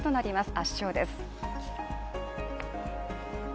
圧勝です。